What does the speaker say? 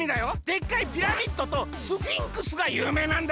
でっかいピラミッドとスフィンクスがゆうめいなんだよ。